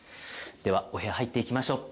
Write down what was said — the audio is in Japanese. お部屋入っていきましょう。